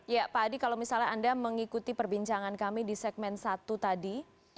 ya pak adi kalau misalnya anda mengikuti perbincangan kami di segmen satu tadi